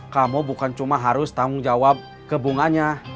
kamu bukan cuma harus tanggung jawab ke bunganya